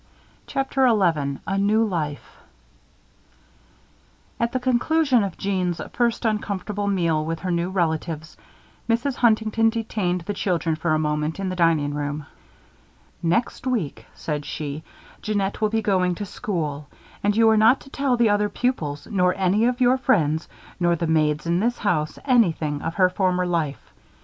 CHAPTER XI A NEW LIFE At the conclusion of Jeanne's first uncomfortable meal with her new relatives, Mrs. Huntington detained the children, for a moment, in the dining room. "Next week," said she, "Jeannette will be going to school. You are not to tell the other pupils nor any of your friends, nor the maids in this house, anything of her former life.